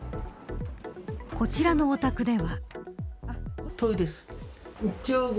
こちらのお宅では。